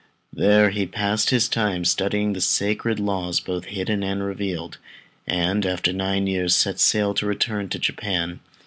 There he passed his time in studying the sacred laws both hidden and revealed, and after nine years set sail to return to Japan.